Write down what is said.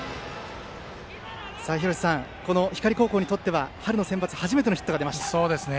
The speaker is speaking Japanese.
廣瀬さん、光高校にとっては春のセンバツ初めてのヒットが出ました。